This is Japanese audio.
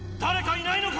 いないのか！